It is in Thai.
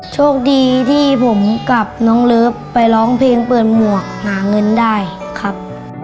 โชคดีที่ผมกับน้องเลิฟไปร้องเพลงเปิดหมวกหาเงินได้ครับ